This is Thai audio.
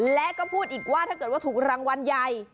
และก็พูดอีกว่าถ้าเกิดว่าถูกรางวัลใหญ่